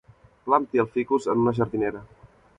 Planti el ficus en una jardinera.